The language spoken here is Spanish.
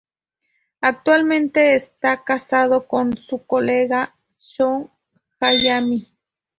Actualmente, está casada con su colega Shō Hayami.